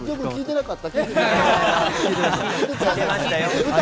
聞いてなかった？